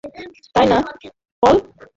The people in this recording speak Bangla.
তাই না, পল?